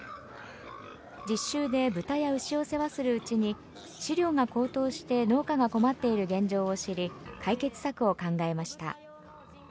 実習で豚や牛を世話するうちに資料が高騰して農家が困っている現状を知り、解決策を考えました。